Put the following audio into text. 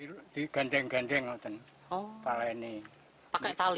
oh pakai tali